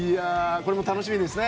これも楽しみですね。